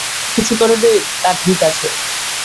তখন কিছু করোনি তা ঠিক আছে।